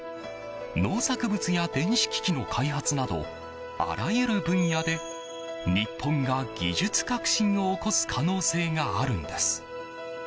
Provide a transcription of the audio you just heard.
農作物や電子機器の開発などあらゆる分野で日本が技術革新を起こす可能性があるんです。